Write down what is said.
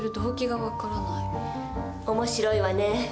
面白いわねえ。